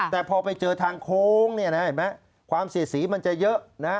แต่พอไปเจอทางโค้งความเสียสีมันจะเยอะ